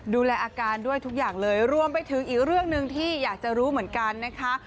ดูแลอาการด้วยทุกอย่างเลยรวมไปถึงอีกเรื่องหนึ่งที่อยากจะรู้เหมือนกันนะคะ